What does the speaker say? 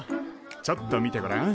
ちょっと見てごらん。